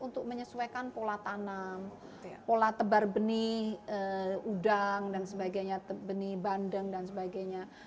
untuk menyesuaikan pola tanam pola tebar benih udang dan sebagainya benih bandeng dan sebagainya